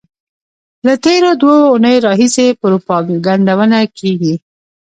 له تېرو دوو اونیو راهیسې پروپاګندونه کېږي.